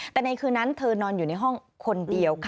แต่ในคืนนั้นเธอนอนอยู่ในห้องคนเดียวค่ะ